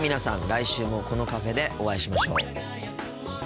来週もこのカフェでお会いしましょう。